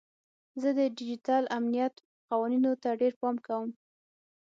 زه د ډیجیټل امنیت قوانینو ته ډیر پام کوم.